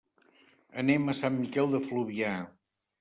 Anem a Sant Miquel de Fluvià.